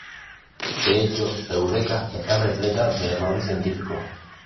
De hecho, "Eureka" está repleta de errores científicos.